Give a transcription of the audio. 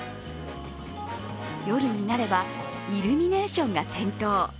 夜になればイルミネーションが点灯。